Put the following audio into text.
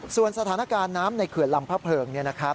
ส่วนสถานการณ์น้ำในเขื่อนลำพระเพลิง